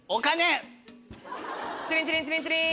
チリンチリンチリンチリン。